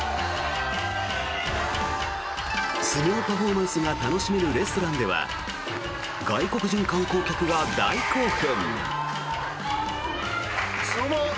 相撲パフォーマンスが楽しめるレストランでは外国人観光客が大興奮。